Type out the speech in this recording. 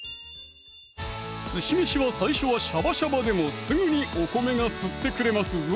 寿司飯は最初はシャバシャバでもすぐにお米が吸ってくれますぞ